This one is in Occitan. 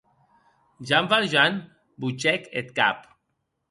Jean Valjean botgèc eth cap.